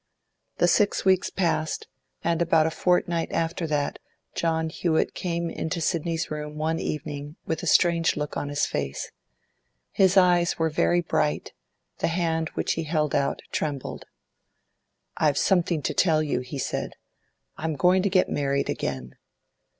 The six weeks passed, and about a fortnight after that, John Hewett came into Sidney's room one evening with a strange look on his face. His eyes were very bright, the hand which he held out trembled. 'I've something to tell you,' he said. 'I'm going to get married again.